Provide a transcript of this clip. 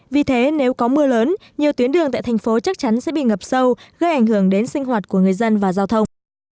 vì thế nếu có mưa lớn nhiều tuyến đường tại thành phố chắc chắn sẽ bị ngập sâu gây ảnh hưởng đến sinh hoạt của người dân và giao thông